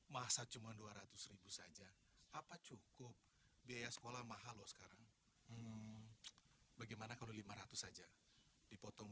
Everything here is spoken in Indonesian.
masa cuma dua ratus ribu saja apa cukup biaya sekolah mahal loh sekarang bagaimana kalau lima ratus saja dipotong